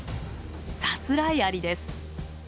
サスライアリです。